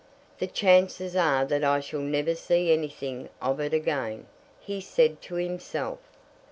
"The chances are that I shall never see anything of it again," he said to himself.